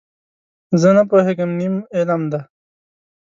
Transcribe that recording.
زه نه پوهېږم، نیم علم دی.